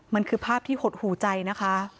มันคือภาพที่หดหูใจนะคะ